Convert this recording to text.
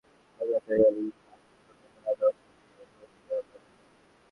পত্রিকার খবরে বলা হয়, হামলাকারীরা লাঠিসোঁটা, ধারালো অস্ত্র নিয়ে মসজিদে হামলা চালায়।